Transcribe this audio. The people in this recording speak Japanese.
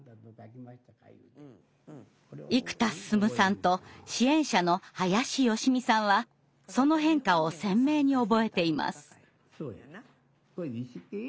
生田進さんと支援者の林淑美さんはその変化を鮮明に覚えています。